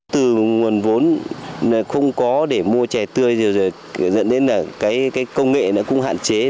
từ nguồn vốn không có để mua trẻ tươi rồi dẫn đến là cái công nghệ cũng hạn chế